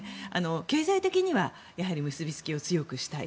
経済的にはやはり結びつきを強くしたい。